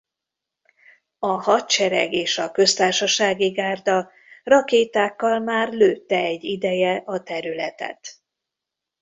A Hadsereg és a Köztársasági Gárda rakétákkal már lőtte egy ideje a területet.